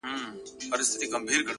نوم مي د ليلا په لاس کي وليدی،